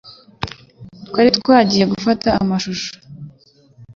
Twari twagiye gufata amashusho